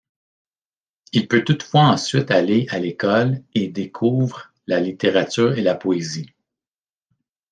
Il peut toutefois ensuite aller à l'école et découvre la littérature et la poésie.